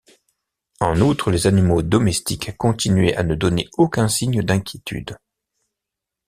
En outre, les animaux domestiques continuaient à ne donner aucun signe d’inquiétude.